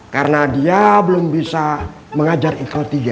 karena dia belum bisa mengajar ikhrok tiga